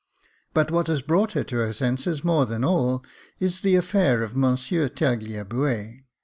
But what has brought her to her senses more than all, is the affair of Monsieur Tagliabue.